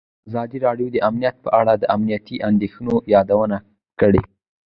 ازادي راډیو د امنیت په اړه د امنیتي اندېښنو یادونه کړې.